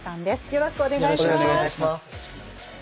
よろしくお願いします。